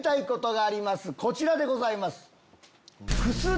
こちらでございます。